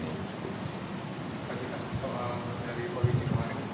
pak kita ada soal dari polisi kemarin